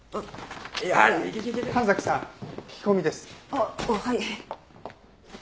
あっはい。